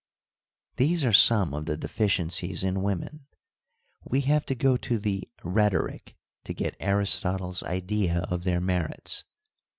These are some of the deficiencies in women : we have to go to the Rhetoric to get Aristotle's idea of their merits.